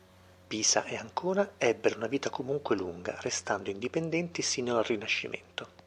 Pisa e Ancona ebbero una vita comunque lunga, restando indipendenti sino al Rinascimento.